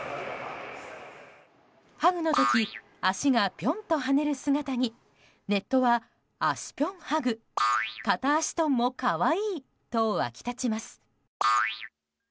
ハグの時足がピョンと跳ねる姿にネットは足ピョンハグ片足トンも可愛いと沸き立ちます。